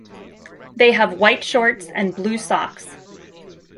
They have white shorts and blue socks.